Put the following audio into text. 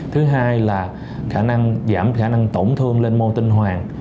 thứ hai là giảm khả năng tổn thương lên mô tinh hoàng